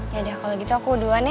yaudah kalau gitu aku duluan ya